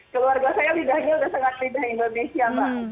keluarga saya lidahnya sudah sangat lidah indonesia mbak